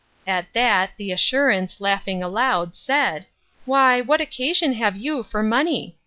At that, the assurance, laughing loud, said, Why, what occasion have you for money?